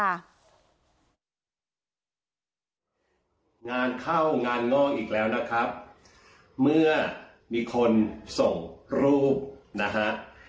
งานเข้างานง่ออีกแล้วนะครับเมื่อมีคนส่งรูปนะฮะ